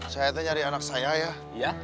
saya tuh nyari anak saya ya iya